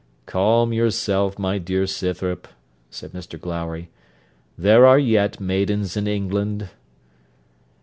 'Calm yourself, my dear Scythrop,' said Mr Glowry; 'there are yet maidens in England.'